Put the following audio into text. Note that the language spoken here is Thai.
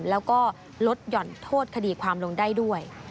แล้วก็ลดหย่อนโทษคดีความลงได้ด้วย